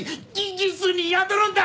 技術に宿るんだ！